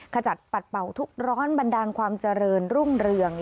ขจัดปัดเป่าทุกร้อนบันดาลความเจริญรุ่งเรือง